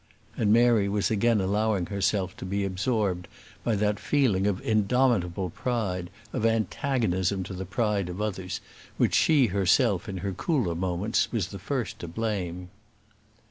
And Mary was again allowing herself to be absorbed by that feeling of indomitable pride, of antagonism to the pride of others, which she herself in her cooler moments was the first to blame.